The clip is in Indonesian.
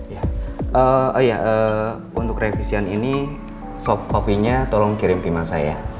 iya untuk revisian ini sop kopinya tolong kirim ke email saya